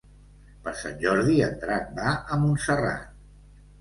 Per Sant Jordi en Drac va a Montserrat.